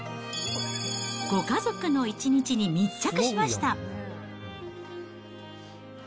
ご家族の一日に密着しました。